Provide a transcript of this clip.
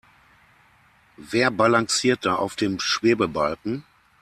Wer balanciert da auf dem Schwebebalken?